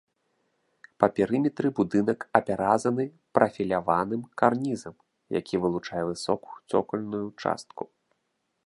Па перыметры будынак апяразаны прафіляваным карнізам, які вылучае высокую цокальную частку.